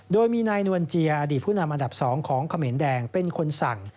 โดยมีนายนวลเจียอดีตผู้นำอันดับ๒ของเขมรแดงเป็นคนสั่ง